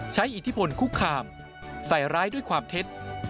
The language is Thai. อิทธิพลคุกคามใส่ร้ายด้วยความเท็จ